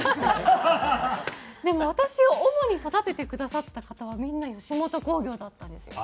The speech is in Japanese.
でも私を主に育ててくださった方はみんな吉本興業だったんですよ。